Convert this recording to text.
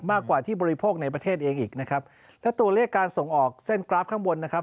มากกว่าที่บริโภคในประเทศเองอีกนะครับและตัวเลขการส่งออกเส้นกราฟข้างบนนะครับ